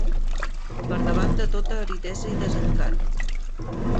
Per davant de tota aridesa i desencant